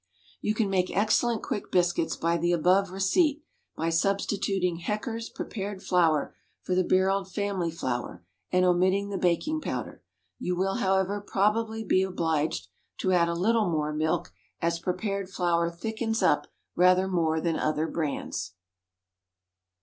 You can make excellent quick biscuits by the above receipt, by substituting Hecker's Prepared Flour for the barreled family flour, and omitting the baking powder. You will, however, probably be obliged to add a little more milk, as prepared flour "thickens up" rather more than other brands.